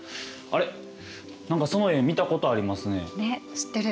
あれ何かその絵見たことありますね。